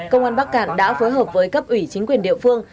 công an bắc cạn đã phối hợp với cấp ủy chính quyền địa phương